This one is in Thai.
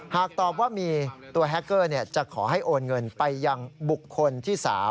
หากตอบว่ามีตัวแฮคเกอร์จะขอให้โอนเงินไปยังบุคคลที่๓